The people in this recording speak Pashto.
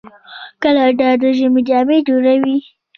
کاناډا د ژمي جامې جوړوي.